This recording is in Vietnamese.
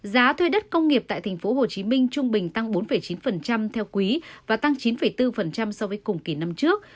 giá thuê đất công nghiệp tại tp hcm trung bình tăng bốn chín theo quý và tăng chín bốn so với cùng kỳ năm trước